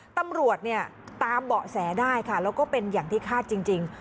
ตำรวจเนี่ยตามเบาะแสได้ค่ะแล้วก็เป็นอย่างที่คาดจริง